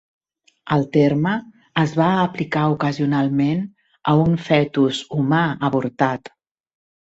El terme es va aplicar ocasionalment a un fetus humà avortat.